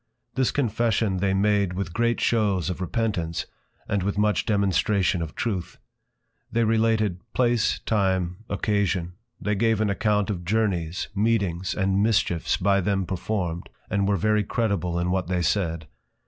This Confession they made with great Shews of Repentance, and with much Demonstration of Truth. They related Place, Time, Occasion; they gave an account of Journeys, Meetings and Mischiefs by them performed, and were very credible in what they said.